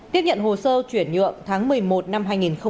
tiếp nhận hồ sơ chuyển nhượng tháng một mươi một năm hai nghìn hai mươi